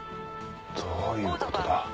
どういうことだ？